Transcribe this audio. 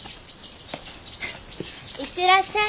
行ってらっしゃい。